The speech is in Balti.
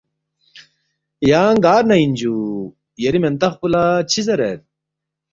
”یانگ گار نہ اِن جُو؟ یری مِنتخ پو لہ چِہ زیرید؟“